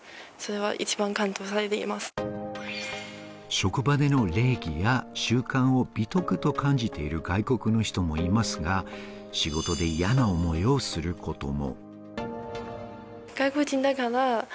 職場での礼儀や習慣を美徳と感じている外国の人もいますが、仕事で嫌な思いをすることも。